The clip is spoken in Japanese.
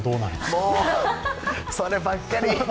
もう！そればっかり！